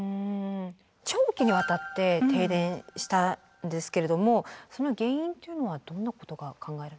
長期に渡って停電したんですけれどもその原因というのはどんなことが考えられる。